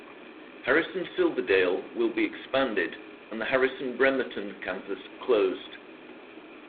Harrison Silverdale will be expanded and the Harrison Bremerton campus closed.